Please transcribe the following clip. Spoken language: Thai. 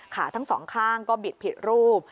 ขาทั้งสองข้างก็บิดผิดรูป